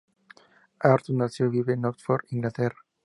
Arthur nació y vive en Oxford, Inglaterra.